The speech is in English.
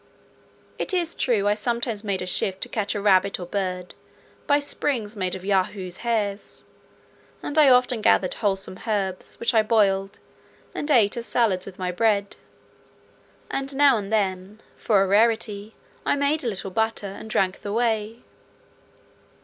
It is true, I sometimes made a shift to catch a rabbit, or bird, by springs made of Yahoo's hairs; and I often gathered wholesome herbs, which I boiled, and ate as salads with my bread; and now and then, for a rarity, I made a little butter, and drank the whey.